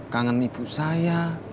kangen ibu saya